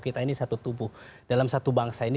kita ini satu tubuh dalam satu bangsa ini